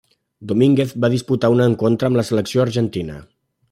Domínguez va disputar un encontre amb la selecció argentina.